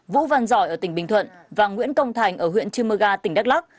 vũ văn giỏi ở tỉnh bình thuận và nguyễn công thành ở huyện chư mơ ga tỉnh đắk lắc